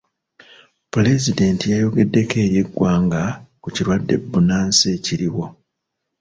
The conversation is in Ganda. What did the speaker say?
Pulezidenti yayogeddeko eri eggwanga ku kirwadde bbunansi ekiriwo.